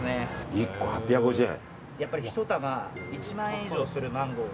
１個８５０円。